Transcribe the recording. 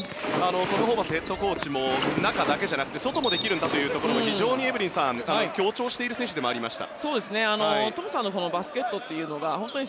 トム・ホーバスヘッドコーチも中だけじゃなくて外もできるんだというところを非常にエブリンさん強調している選手でもありました。